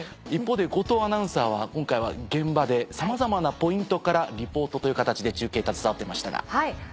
一方で後藤アナウンサーは今回は現場でさまざまなポイントからリポートという形で中継携わっていましたが。